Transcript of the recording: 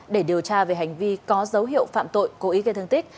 để điều tra về hành vi có dấu hiệu phạm tội cố ý gây thương tích